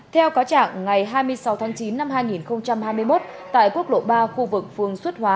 theo cáo trạng ngày hai mươi sáu tháng chín năm hai nghìn hai mươi một tại quốc lộ ba khu vực phương xuất hóa